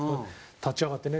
立ち上がってね。